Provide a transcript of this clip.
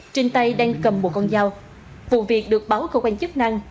trên tay đang cầm một con dao vụ việc được báo cơ quan chức năng